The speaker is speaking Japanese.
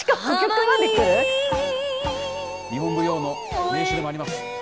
日本舞踊の練習でもあります。